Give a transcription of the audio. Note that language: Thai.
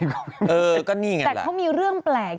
เออก็นี่อย่างนั้นแหละแต่เขามีเรื่องแปลก